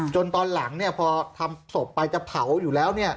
ตอนหลังพอทำศพไปจะเผาอยู่แล้ว